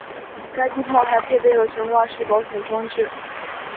该机炮还配备了悬挂式保险装置。